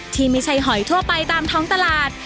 ที่ไม่ใช่หอยทั่วไปตามท้องตลาด